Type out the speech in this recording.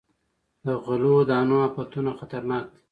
د غلو دانو افتونه خطرناک دي.